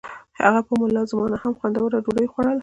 هغه به په ملازمانو هم خوندوره ډوډۍ خوړوله.